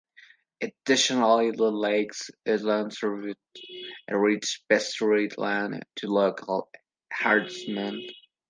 Additionally, the lake's islands serve as rich pasture land to local herdsmen.